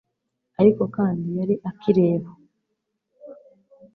Ariko kandi, yari akireba